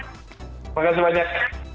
terima kasih banyak